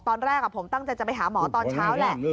ตอนแรกผมตั้งใจจะไปหาหมอตอนเช้าแหละ